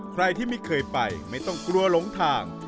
ใครที่ไม่เคยไปไม่ต้องกลัวหลงทาง